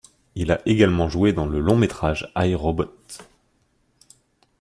Il a également joué dans le long-métrage I, Robot.